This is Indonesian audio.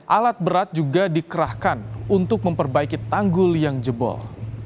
alat berat juga dikerahkan untuk memperbaiki tanggul yang jebol